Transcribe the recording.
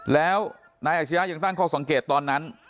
แล้วนายอาชียะยังตั้งข้อสังเกตตอนนั้น